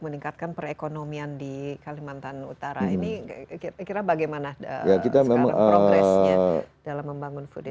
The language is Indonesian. meningkatkan perekonomian di kalimantan utara ini kira kira bagaimana sekarang progresnya dalam membangun food